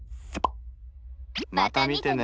また見てね。